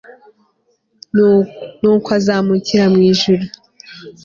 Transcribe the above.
nukw'azamukira mw'ijuru